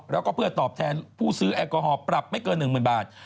แล้วก็เพื่อตอบแทนผู้ซื้อแอลกอฮอล์ปรับไม่เกิน๑๐๐๐บาท